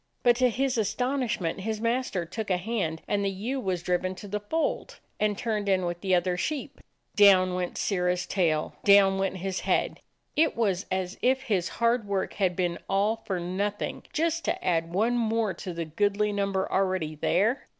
But to his astonishment his master took a hand, and the ewe was driven to the fold, and turned in with the other sheep. Down went Sirrah's tail, down went his head. It was as if his hard work had been all for nothing; just to add one more to the goodly number already there.